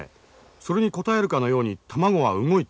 それに応えるかのように卵は動いた。